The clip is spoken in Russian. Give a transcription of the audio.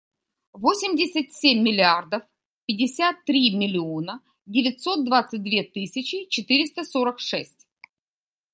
Восемьдесят семь миллиардов пятьдесят три миллиона девятьсот двадцать две тысячи четыреста сорок шесть.